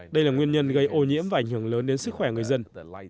đây là nguyên nhân gây ô nhiễm và ảnh hưởng lớn đến sức khỏe người dân